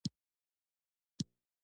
د ویښتو د نرمیدو لپاره کوم ماسک وکاروم؟